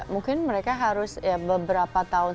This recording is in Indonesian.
mungkin mereka harus ya beberapa tahun